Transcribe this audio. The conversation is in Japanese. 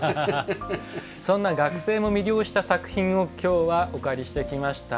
そんな学生も魅了した作品をきょうはお借りしてきました。